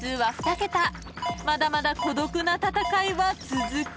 ［まだまだ孤独な戦いは続く］